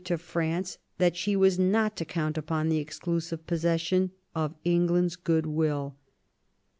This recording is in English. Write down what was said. # to Fratnce that she was not to count upon the exclusive possession of England's goodwill.